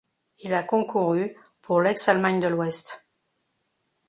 Il a concouru pour l'ex-Allemagne de l'Ouest.